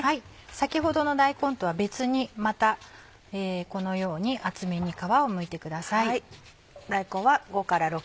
先ほどの大根とは別にまたこのように厚めに皮をむいてください。